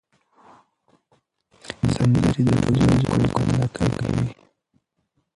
سندرې د ټولنیزو اړیکو ملاتړ کوي.